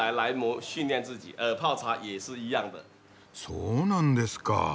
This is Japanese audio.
そうなんですか！